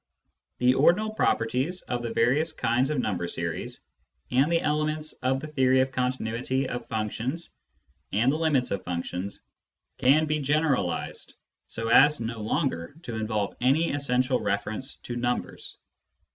The ordinal properties of the various kinds of number series, and the elements of the theory of continuity of functions and the limits of functions, can be generalised so as no longer to involve any essential reference to numbers.